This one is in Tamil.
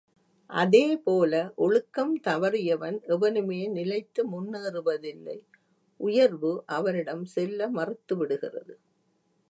அதே போல ஒழுக்கம் தவறியவன் எவனுமே நிலைத்து முன்னேறுவதில்லை உயர்வு அவனிடம் செல்ல மறுத்துவிடுகிறது.